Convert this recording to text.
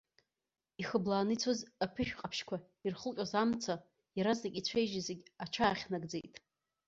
Ихыблааны ицоз аԥышә ҟаԥшьқәа ирхылҟьоз амца, иаразнак ицәа-ижьы зегьы аҽаахьнагӡеит.